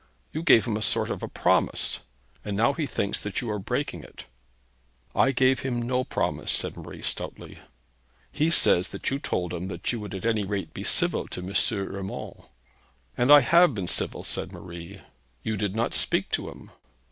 You gave him a sort of a promise, and now he thinks that you are breaking it.' 'I gave him no promise,' said Marie stoutly. 'He says that you told him that you would at any rate be civil to M. Urmand.' 'And I have been civil,' said Marie. 'You did not speak to him.'